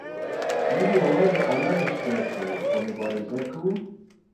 موږ یوازې الله ته شکایت کوو او مبارزه کوو